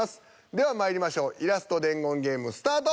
ではまいりましょうイラスト伝言ゲームスタート。